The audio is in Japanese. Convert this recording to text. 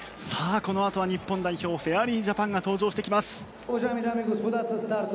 このあとは日本代表フェアリージャパンが登場してきます。